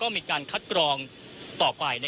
คุณทัศนาควดทองเลยค่ะ